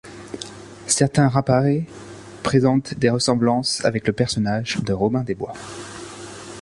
Certains rapparees présentent des ressemblances avec le personnage de Robin des Bois.